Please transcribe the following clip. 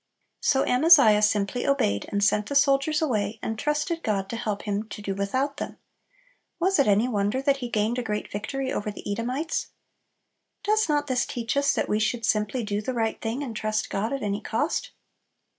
So Amaziah simply obeyed, and sent the soldiers away, and trusted God to help him to do without them. Was it any wonder that he gained a great victory over the Edomites? Does not this teach us that we should simply do the right thing, and trust God at any cost?